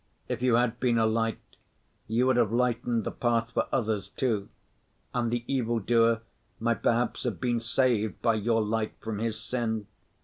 If you had been a light, you would have lightened the path for others too, and the evil‐doer might perhaps have been saved by your light from his sin.